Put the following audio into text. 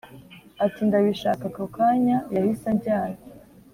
ati ndabishaka Ako kanya yahise ajyana